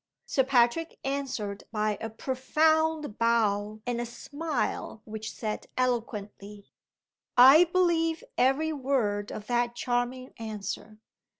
Sir Patrick answered by a profound bow and a smile which said, eloquently, "I believe every word of that charming answer.